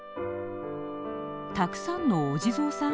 たくさんのお地蔵さん？